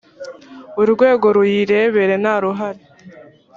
urwego ruyirebere ntaruhari.